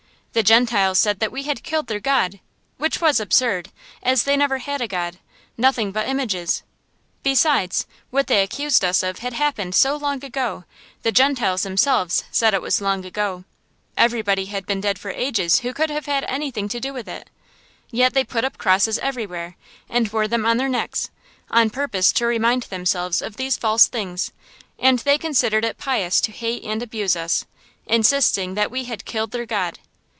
The Gentiles said that we had killed their God, which was absurd, as they never had a God nothing but images. Besides, what they accused us of had happened so long ago; the Gentiles themselves said it was long ago. Everybody had been dead for ages who could have had anything to do with it. Yet they put up crosses everywhere, and wore them on their necks, on purpose to remind themselves of these false things; and they considered it pious to hate and abuse us, insisting that we had killed their God.